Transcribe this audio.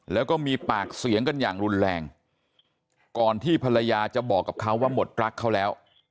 แล้วก็มีปากเสียงกันอย่างรุนแรงก่อนที่ภรรยาจะบอกกับเขาว่าหมดรักเขาแล้ว